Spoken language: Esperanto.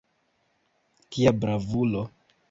Kia bravulo!